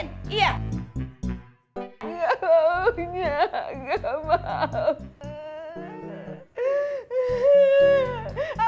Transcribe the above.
nggak maunya nggak maunya